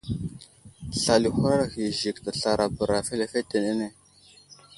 Slal i huraɗ ghay i Zik teslara bəra lefetenene.